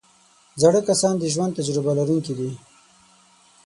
زاړه کسان د ژوند تجربه لرونکي دي